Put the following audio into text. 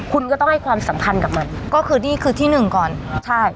คุณก็ต้องให้ความสำคัญกับมันก็คือนี่คือที่หนึ่งก่อนใช่